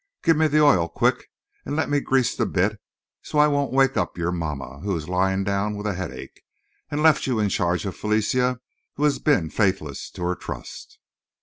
Give me the oil, quick, and let me grease the bit, so I won't wake up your mamma, who is lying down with a headache, and left you in charge of Felicia who has been faithless to her trust."